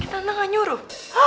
tante gak nyuruh